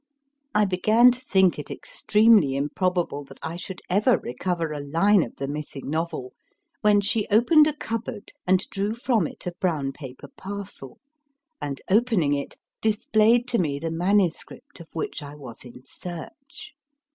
I began to think it extremely improbable that I should ever recover a line of the missing novel, when she opened a cupboard and drew from it a brown paper parcel, and, opening it, displayed to me the MS. of which I was in search.